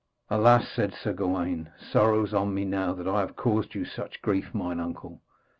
'Alas,' said Sir Gawaine, 'sorrow's on me now that I have caused you such grief, mine uncle.